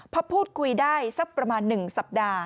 พอพูดคุยได้สักประมาณ๑สัปดาห์